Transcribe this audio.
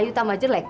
kamu tambah jelek